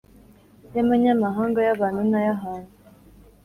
y’amanyamahanga y’abantu n’ay’ahantu